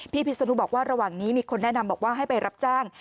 พิศนุบอกว่าระหว่างนี้มีคนแนะนำบอกว่าให้ไปรับจ้าง